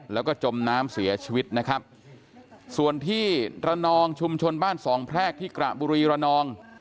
แล้วก็จมน้ำเสียชีวิตนะครับส่วนที่ระนองชุมชนบ้านสองแพรกที่กระบุรีระนอง